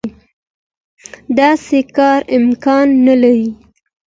داسې کار امکان نه لري.